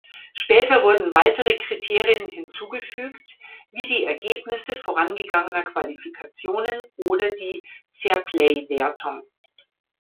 Später wurden weitere Kriterien hinzugefügt, wie die Ergebnisse vorangegangener Qualifikationen oder die Fairplaywertung.